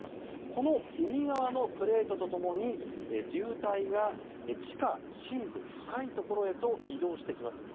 この海側のプレートと共に流体が地下深部、深いところへと移動していきます。